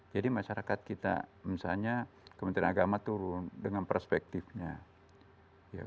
jadi masyarakat kita misalnya kementerian agama turun dengan perspektifnya